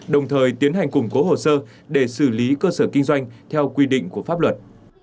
đồng thời tiến hành củng cố hồ sơ để xử lý cơ sở kinh doanh theo quy định của pháp luật